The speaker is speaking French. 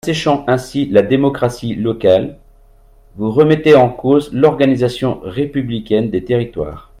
En asséchant ainsi la démocratie locale, vous remettez en cause l’organisation républicaine des territoires.